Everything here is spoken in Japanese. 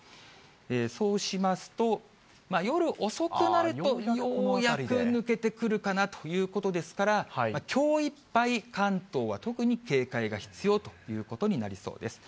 そうしますと、夜遅くなると、ようやく抜けてくるかなということですから、きょういっぱい、関東は特に警戒が必要ということになりそうです。